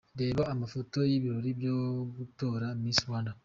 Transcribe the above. Reba amafoto y’ibirori byo gutora Miss Rwanda.